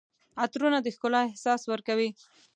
عطرونه د ښکلا احساس ورکوي.